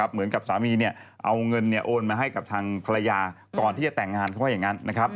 เหมือนกับสามีเอาเงินโอนมาให้กับทางภรรยาก่อนที่จะแต่งงาน